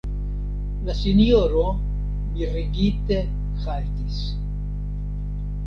La sinjoro mirigite haltis.